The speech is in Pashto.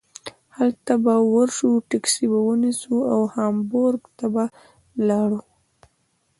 هلته به ور شو ټکسي به ونیسو او هامبورګ ته به لاړو.